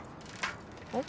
えっ？